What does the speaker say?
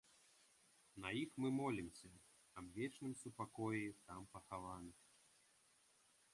На іх мы молімся аб вечным супакоі там пахаваных.